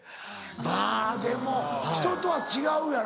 あぁでもひととは違うやろ？